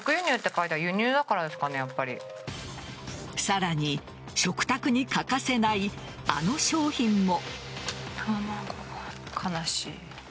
さらに食卓に欠かせないあの商品も。